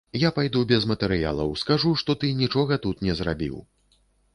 Я пайду без матэрыялаў, скажу, што ты нічога тут не зрабіў.